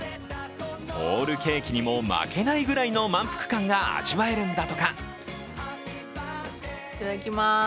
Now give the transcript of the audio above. ホールケーキにも負けないぐらいの満腹感が味わえるんだとか。